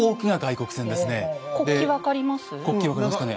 国旗分かりますかね。